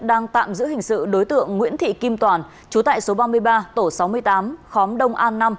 đang tạm giữ hình sự đối tượng nguyễn thị kim toàn chú tại số ba mươi ba tổ sáu mươi tám khóm đông an năm